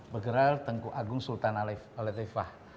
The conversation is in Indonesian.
jeral tengku agung sultan alifah